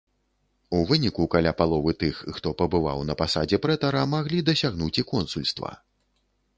У выніку каля паловы тых, хто пабываў на пасадзе прэтара, маглі дасягнуць і консульства.